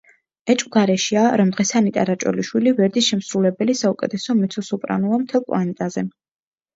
ეჭვგარეშეა, რომ დღეს ანიტა რაჭველიშვილი ვერდის შემსრულებელი საუკეთესო მეცო-სოპრანოა მთელ პლანეტაზე.